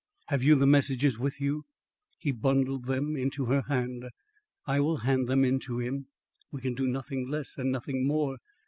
"Have you the messages with you?" He bundled them into her hand. "I will hand them in to him. We can do nothing less and nothing more.